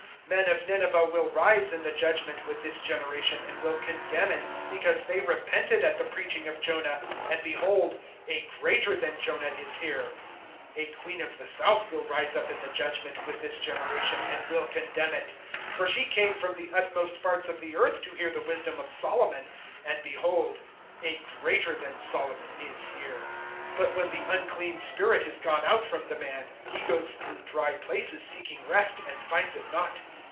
(41)Men of Nineveh will rise in the judgment with this generation, and will condemn it; because they repented at the preaching of Jonah, and behold, a greater than Jonah is here. (42)A queen of the south will rise up in the judgment with this generation, and will condemn it; for she came from the utmost parts of the earth to hear the wisdom of Solomon, and behold, a greater than Solomon is here. (43)But when the unclean spirit is gone out from the man, he goes through dry places seeking rest, and finds it not.